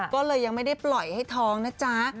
ก็เลยยังไม่ได้ปล่อยให้ท้องนะจ๊ะ